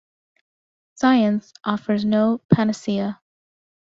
Science offers no panacea.